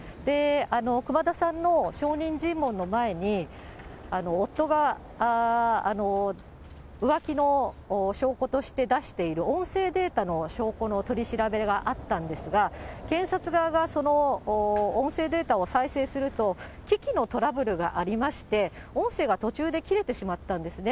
熊田さんの証人尋問の前に、夫が浮気の証拠として出している音声データの証拠の取り調べがあったんですが、検察側がその音声データを再生すると、機器のトラブルがありまして、音声が途中で切れてしまったんですね。